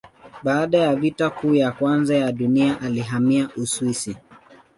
Baada ya Vita Kuu ya Kwanza ya Dunia alihamia Uswisi.